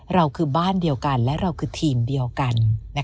เราคือบ้านเดียวกันและเราคือทีมเดียวกัน